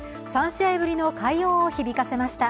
３試合ぶりの快音を響かせました。